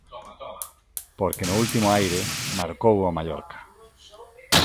Porque no último aire, marcou o Mallorca.